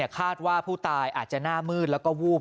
คาดว่าผู้ตายอาจจะหน้ามืดแล้วก็วูบ